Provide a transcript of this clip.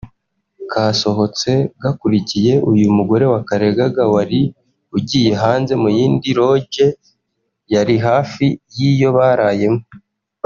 kasohotse gakurikiye uyu mugore wakareraga wari ugiye hanze mu yindi Lodge yari hafi y’iyo barayemo